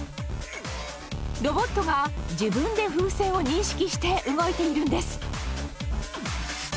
ロボットが自分で風船を認識して動いているんです。